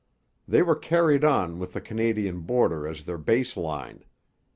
They were carried on with the Canadian border as their base line.